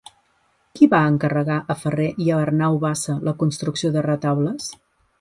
Qui va encarregar a Ferrer i a Arnau Bassa la construcció de retaules?